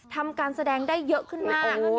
ทำการแสดงได้เยอะขึ้นมาก